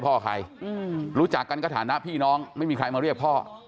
พ่อใครรู้จักกันก็ฐานะพี่น้องไม่มีใครมาเรียกพ่อ